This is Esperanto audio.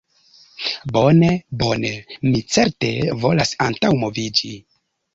Bone, bone. Mi certe volas antaŭmoviĝi.